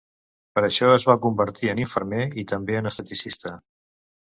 Per això es va convertir en infermer i també en esteticista.